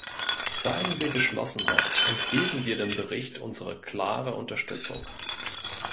Zeigen wir Geschlossenheit, und geben wir dem Bericht unsere klare Unterstützung.